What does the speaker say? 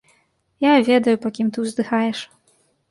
Я ведаю, па кім ты ўздыхаеш.